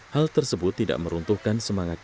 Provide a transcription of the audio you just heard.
hal tersebut tidak meruntuhkan